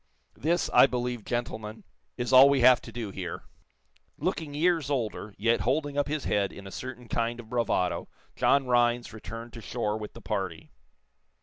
This, I believe, gentlemen, is all we have to do here." Looking years older, yet holding up his head in a certain kind of bravado, John Rhinds returned to shore with the party.